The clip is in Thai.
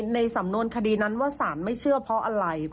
ในสำนวนคดีนั้นว่าสารไม่เชื่อเพราะอะไร